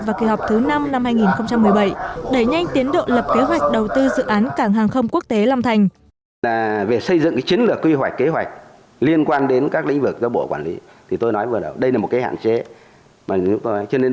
và kỳ họp thứ năm năm hai nghìn một mươi bảy đẩy nhanh tiến độ lập kế hoạch đầu tư dự án cảng hàng không quốc tế long thành